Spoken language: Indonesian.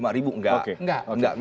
sampai dibilang ekstrim rp lima enggak